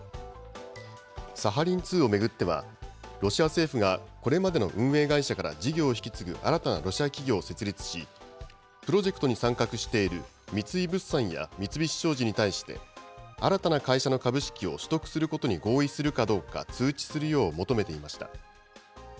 サハリン２を巡っては、ロシア政府がこれまでの運営会社から事業を引き継ぐ新たなロシア企業を設立し、プロジェクトに参画している三井物産や三菱商事に対して、新たな会社の株式を取得することに合意するかどうか通知するよう求めていました。